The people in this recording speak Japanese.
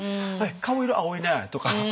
「顔色青いね！」とか。